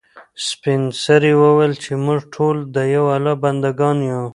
سپین سرې وویل چې موږ ټول د یو الله بنده ګان یو.